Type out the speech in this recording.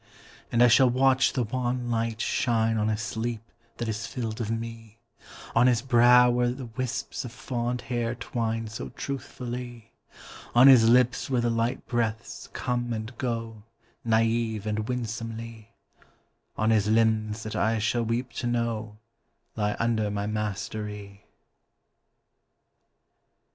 And I shall watch the wan light shine On his sleep that is filled of me, On his brow where the wisps of fond hair twine So truthfully, On his lips where the light breaths come and go Naïve and winsomely, On his limbs that I shall weep to know Lie under my mastery.